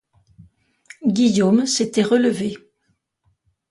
Guillaume s'était relevé.